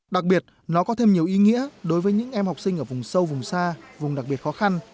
đặc biệt nó có thêm nhiều ý nghĩa đối với những em học sinh ở vùng sâu vùng xa vùng đặc biệt khó khăn